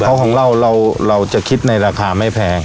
เพราะของเราเราจะคิดในราคาไม่แพง